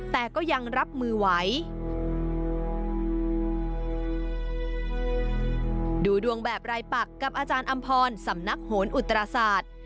แต่ก็ยังรับมือไหวดูดวงแบบรายปักกับอาจารย์อำพรสำนักโหนอุตราศาสตร์